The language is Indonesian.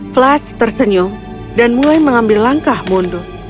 flash tersenyum dan mulai mengambil langkah mundur